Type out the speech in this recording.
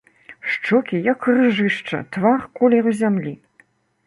Шчокі як іржышча, твар колеру зямлі.